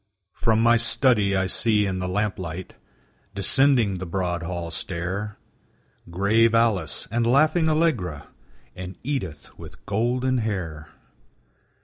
From my study I see in the lamplight, Descending the broad hall stair, Grave Alice, and laughing Allegra, And Edith with golden hair.